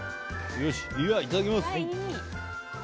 いただきます！